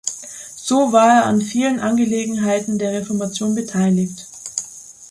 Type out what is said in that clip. So war er an vielen Angelegenheiten der Reformation beteiligt.